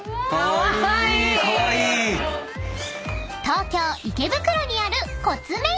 ［東京池袋にある］